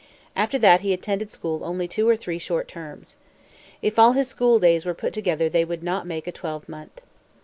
After that he attended school only two or three short terms. If all his school days were put together they would not make a twelve month.